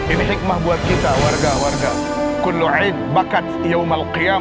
ini hikmah buat kita warga warga